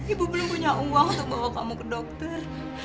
ibu belum punya uang untuk bawa kamu ke dokter